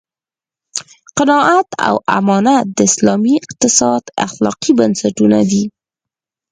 قناعت او امانت د اسلامي اقتصاد اخلاقي بنسټونه دي.